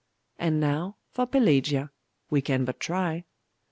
'And now, for Pelagia. We can but try.